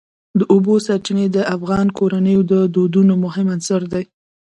د اوبو سرچینې د افغان کورنیو د دودونو مهم عنصر دی.